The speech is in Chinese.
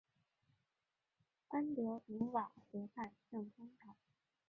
安德鲁瓦河畔圣康坦。